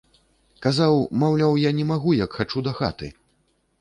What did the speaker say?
Казаў, маўляў, я не магу, як хачу дахаты.